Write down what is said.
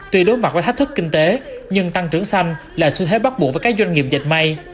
tuy đối mặt với thách thức kinh tế nhưng tăng trưởng xanh là xu thế bắt buộc với các doanh nghiệp dệt may